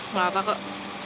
nggak apa kok